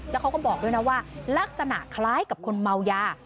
แล้วเขาก็บอกด้วยนะว่าลักษณะคล้ายกับคนเมายา